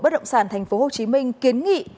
bất động sản tp hcm kiến nghị